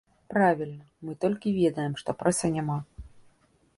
Правільна, мы толькі ведаем, што прэса няма.